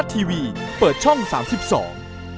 มีชื่อกันสองคนรอมันรอ